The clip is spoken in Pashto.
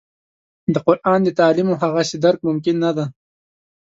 د قران د تعالیمو هغسې درک ممکن نه دی.